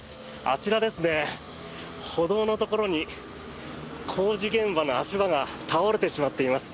あちらですね、歩道のところに工事現場の足場が倒れてしまっています。